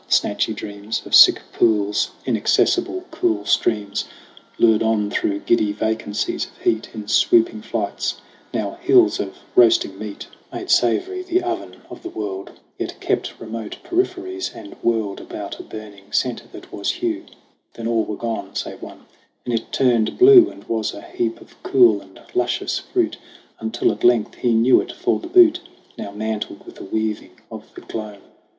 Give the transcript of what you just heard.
Snatchy dreams Of sick pools, inaccessible cool streams, Lured on through giddy vacancies of heat In swooping flights ; now hills of roasting meat THE CRAWL 47 Made savory the oven of the world, Yet kept remote peripheries and whirled About a burning center that was Hugh. Then all were gone, save one, and it turned blue And was a heap of cool and luscious fruit, Until at length he knew it for the butte Now mantled with a weaving of the gloam.